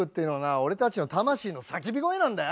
俺たちの魂の叫び声なんだよ。